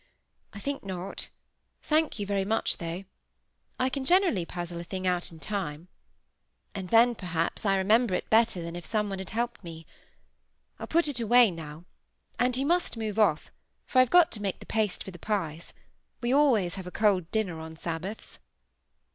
I think not. Thank you very much, though. I can generally puzzle a thing out in time. And then, perhaps, I remember it better than if some one had helped me. I'll put it away now, and you must move off, for I've got to make the paste for the pies; we always have a cold dinner on Sabbaths."